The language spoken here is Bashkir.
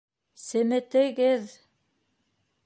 Семетегеҙ!